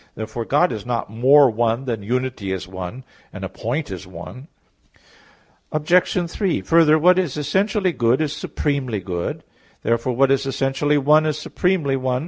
Therefore God is not more one than unity is one and a point is one. Obj. 3: Further, what is essentially good is supremely good. Therefore what is essentially one is supremely _one.